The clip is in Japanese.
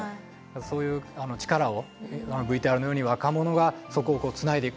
そういう力をＶＴＲのように若者がそこをつないでいく。